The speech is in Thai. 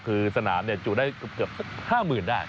คือสนามจุได้เกือบ๕๐๐๐ได้